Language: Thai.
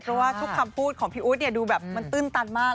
เพราะว่าทุกคำพูดของพี่อู๊ดดูแบบมันตื้นตันมาก